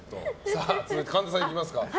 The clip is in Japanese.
続いて、神田さんいきますか。